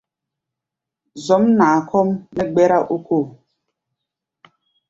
Zɔ̌mnaa kɔ́ʼm nɛ́ gbɛ́rá ókóo.